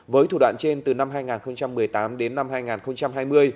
với thủ đoạn trên từ năm hai nghìn một mươi tám đến năm hai nghìn hai mươi